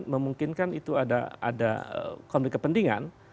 memungkinkan itu ada konflik kepentingan